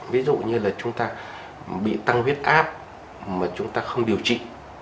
ví dụ như là chúng ta bị tăng huyết áp mà chúng ta không điều trị